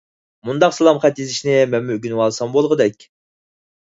مۇنداق سالام خەت يېزىشنى مەنمۇ ئۆگىنىۋالسام بولغۇدەك.